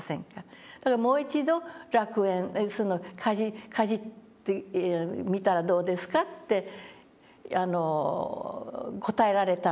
だからもう一度楽園かじってみたらどうですかって答えられたんですね。